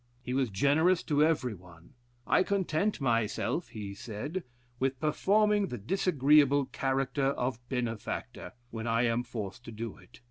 He was generous to every one. "I content myself," he said, "with performing the disagreeable character of benefactor, when I am forced to it.